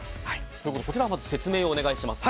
こちらの説明をまずお願いします。